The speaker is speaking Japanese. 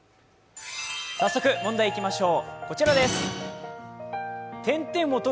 早速問題いきましょう。